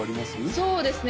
そうですね